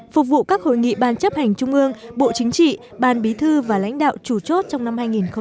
phục vụ các hội nghị ban chấp hành trung ương bộ chính trị ban bí thư và lãnh đạo chủ chốt trong năm hai nghìn hai mươi